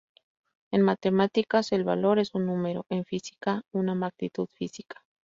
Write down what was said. En matemáticas, el valor es un número; en física, una magnitud física.